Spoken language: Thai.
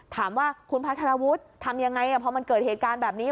ถามว่าคุณพัทรวุฒิทำยังไงพอมันเกิดเหตุการณ์แบบนี้